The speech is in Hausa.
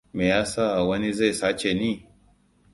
Me yasa wani zai sace ni?